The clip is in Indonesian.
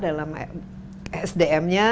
dalam sdm nya